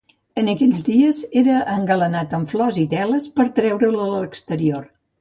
En aquells dies era engalanat amb flors i teles per treure'l a l'exterior.